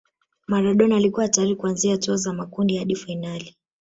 maradona alikuwa hatari kuanzia hatua za makundi hadi fainali